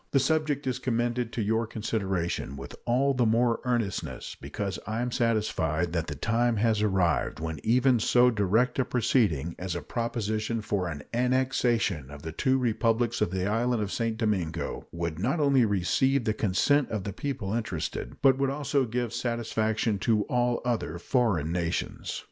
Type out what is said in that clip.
The subject is commended to your consideration with all the more earnestness because I am satisfied that the time has arrived when even so direct a proceeding as a proposition for an annexation of the two Republics of the island of St. Domingo would not only receive the consent of the people interested, but would also give satisfaction to all other foreign nations.